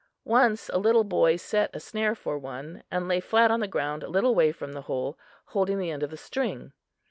Once a little boy set a snare for one, and lay flat on the ground a little way from the hole, holding the end of the string.